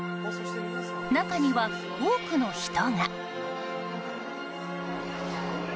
中には多くの人が。